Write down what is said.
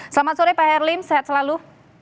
selamat sore pak herlim sehat selalu